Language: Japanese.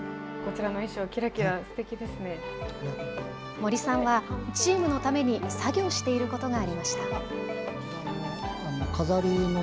森さんはチームのために作業していることがありました。